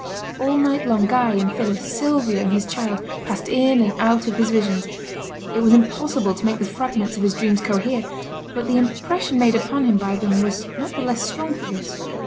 All night long Guy and Phillis, Sylvia and his child, passed in and out of his visions; it was impossible to make the fragments of his dreams cohere; but the impression made upon him by them was not the less strong for this.